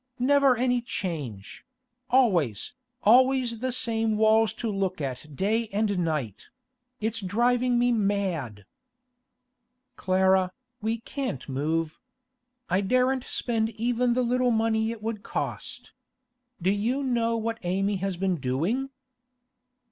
Never any change—always, always the same walls to look at day and night—it's driving me mad!' 'Clara, we can't move. I daren't spend even the little money it would cost. Do you know what Amy has been doing?